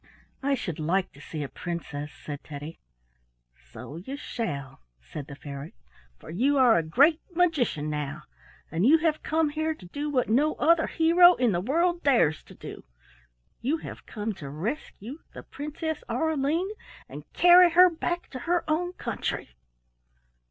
"I should like to see a princess," said Teddy. "So you shall," said the fairy, "for you are a great magician now, and you have come here to do what no other hero in the world dares to do; you have come to rescue the Princess Aureline and carry her back to her own country."